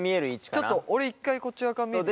ちょっと俺１回こっち側から見るよ。